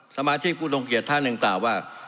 สมาชิกกุฎงเกียจท่านเองต่อว่า